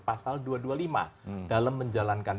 pasal dua ratus dua puluh lima dalam menjalankan